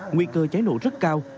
nguy cơ cháy nổ rất cao